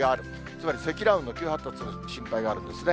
つまり積乱雲の急発達の心配があるんですね。